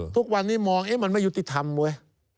ทุกวันนี้มองมันไม่ยุติธรรมเว้ย